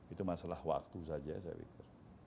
itu masalah waktu saja saya pikir